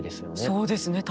そうですね